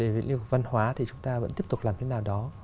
với lĩnh vực văn hóa thì chúng ta vẫn tiếp tục làm thế nào đó